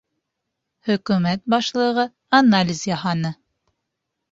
Хөкүмәт башлығы анализ яһаны